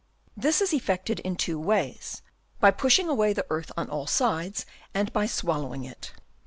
— This is effected in two ways ; by pushing away the earth on all sides, and by swallowing it.